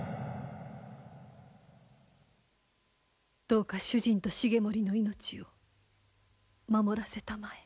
どうか主人と重盛の命を守らせたまえ。